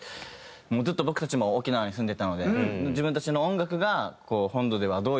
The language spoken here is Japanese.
ずっと僕たちも沖縄に住んでたので自分たちの音楽が本土ではどういう風に。